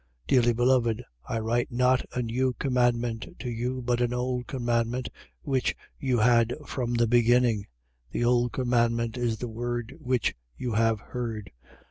2:7. Dearly beloved, I write not a new commandment to you, but an old commandment which you had from the beginning. The old commandment is the word which you have heard.